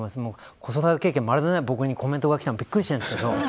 子育て経験がまるでない僕にコメントがきたのでびっくりしてるんですけど。